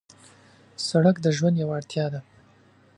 سړک د ژوند یو اړتیا ده.